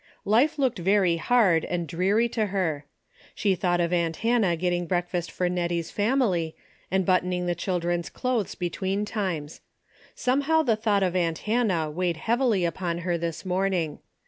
Life looked very hard and dreary to her. She thought of aunt Hannah getting breakfast for Nettie's family, and buttoning the chil dren's clothes between times. Somehow the thought of aunt Hannah weighed heavily upon her this morning.